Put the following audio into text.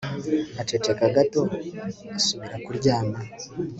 aceceka gato, asubira kuryama